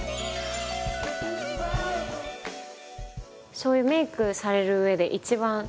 そういうメイクされるうえで一番。